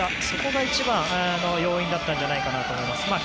そこが一番の要因だったんじゃないかと思います。